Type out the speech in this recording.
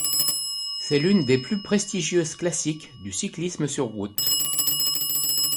C'est l'une des plus prestigieuses classiques du cyclisme sur route.